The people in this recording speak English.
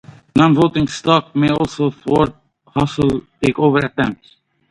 Non-voting stock may also thwart hostile takeover attempts.